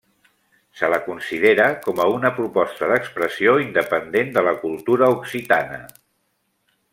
Se la considera com a una proposta d'expressió independent de la cultura occitana.